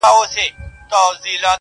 ماته بۀ يى وې تۀ اوخوره زۀ بچې مړه ېمه